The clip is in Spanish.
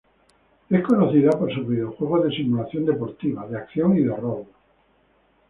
Es conocida por sus videojuegos de simulación deportiva, de acción y de rol.